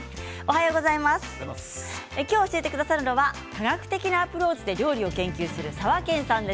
今日教えてくださるのは科学的なアプローチで料理を研究するさわけんさんです。